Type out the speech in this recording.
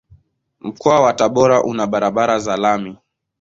Mkoa wa Tabora una barabara za lami.